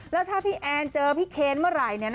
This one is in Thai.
แล้วถ้าพี่แอนเจอพี่เคนเมื่อไหร่